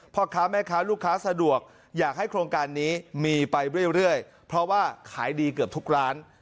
พ่อค้าแม่ค้าลูกค้าสะดวกอยากให้โครงการนี้มีไปเรื่อยเพราะว่าขายดีเกือบทุกร้าน